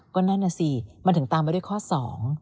ก็นั่นน่ะสิมันถึงตามไปด้วยข้อสอง